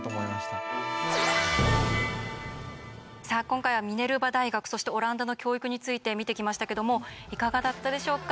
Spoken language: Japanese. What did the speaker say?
今回はミネルバ大学そしてオランダの教育について見てきましたけどもいかがだったでしょうか？